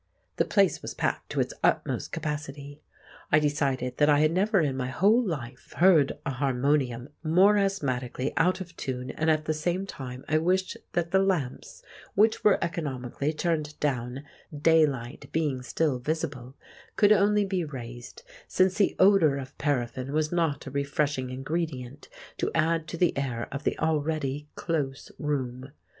The place was packed to its utmost capacity. I decided that I had never in my whole life heard a harmonium more asthmatically out of tune and at the same time I wished that the lamps (which were economically turned down, daylight being still visible) could only be raised, since the odour of paraffin was not a refreshing ingredient to add to the air of the already close room.